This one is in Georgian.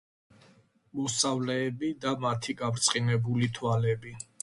მოსწავლეები და მათი გაბრწყინებული თვალები